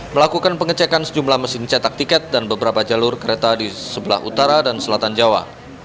melakukan pengecekan sejumlah mesin cetak tiket dan beberapa jalur kereta di sebelah utara dan selatan jawa